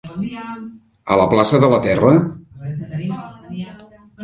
a la plaça de la Terra?